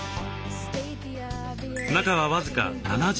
中は僅か７畳ほど。